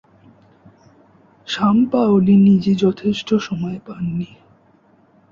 Sampaoli নিজে যথেষ্ট সময় পাননি।